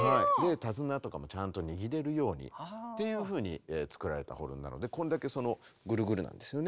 手綱とかもちゃんと握れるようにっていうふうに作られたホルンなのでこんだけそのぐるぐるなんですよね。